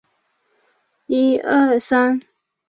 县人民政府驻青阳街道。